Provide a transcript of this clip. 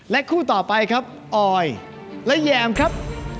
คู่ต่อไปครับออยและแยมครับ